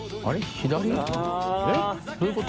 左？どういうこと？